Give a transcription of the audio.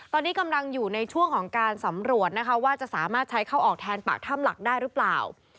ตอนนี้กำลังอยู่ในช่วงของการสำรวจนะคะว่าจะสามารถใช้เข้าออกแทนปากถ้ำหลักได้หรือเปล่า